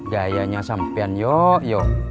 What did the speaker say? gayanya sampean yuk yuk